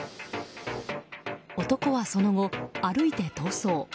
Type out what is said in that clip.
男はその後、歩いて逃走。